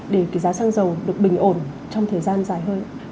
để cái giá xăng dầu được bình ổn trong thời gian dài hơn